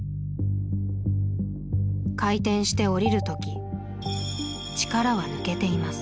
回転して下りる時力は抜けています。